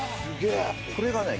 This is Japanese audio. これがね